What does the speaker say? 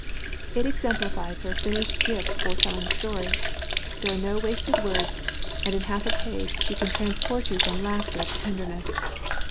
It exemplifies her finished gift for telling a story ; there are no wasted words and in half a page she can transport you from laughter to tenderness.